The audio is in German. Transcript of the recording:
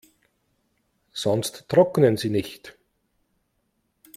Sonst trocknen sie nicht.